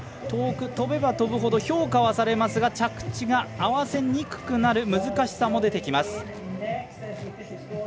遠く、とべばとぶほど評価はされますが着地が合わせにくくなる難しさも出てきます。